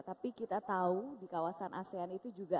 tapi kita tahu di kawasan asean itu juga